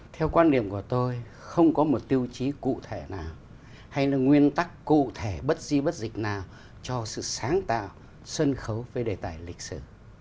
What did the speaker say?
theo quan điểm của tôi không có một tiêu chí cụ thể nào hay là nguyên tắc cụ thể bất di bất dịch nào cho sự sáng tạo sân khấu với đề tài lịch sử